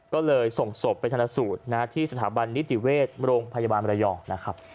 ก็เลยส่งศพไปธนสูตรที่สถาบันนิติเวชโรงพยาบาลมรยองนะครับ